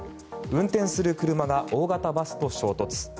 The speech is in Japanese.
運転する車が大型バスと衝突。